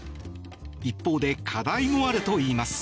一方で課題もあるといいます。